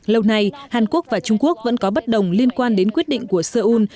lâu nay hàn quốc và trung quốc vẫn có bất đồng liên quan đến quyết định của seoul